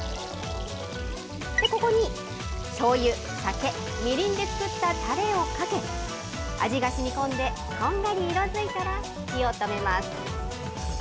ここにしょうゆ、酒、みりんで作ったたれをかけ、味がしみこんで、こんがり色づいたら、火を止めます。